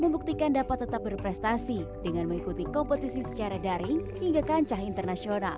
membuktikan dapat tetap berprestasi dengan mengikuti kompetisi secara daring hingga kancah internasional